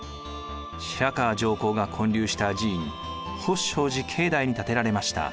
白河上皇が建立した寺院法勝寺境内に建てられました。